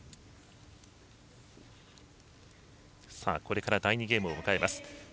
これから第２ゲームを迎えます。